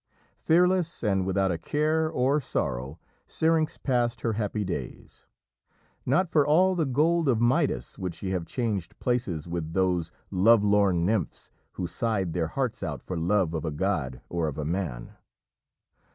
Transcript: Fearless, and without a care or sorrow, Syrinx passed her happy days. Not for all the gold of Midas would she have changed places with those love lorn nymphs who sighed their hearts out for love of a god or of a man.